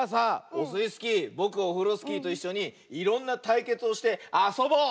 オスイスキーぼくオフロスキーといっしょにいろんなたいけつをしてあそぼう！